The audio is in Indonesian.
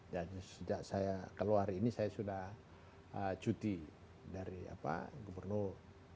dan sejak saya keluar ini saya sudah cuti dari gubernur